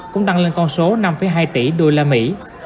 cũng tăng lên con số năm hai tỷ đô la mỹ